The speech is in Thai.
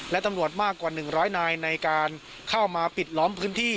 และตำรวจมากกว่า๑๐๐นายในการเข้ามาปิดล้อมพื้นที่